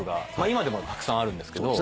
今でもたくさんあるんですけど。